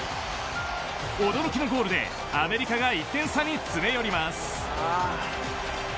驚きのゴールでアメリカが１点差に詰め寄ります。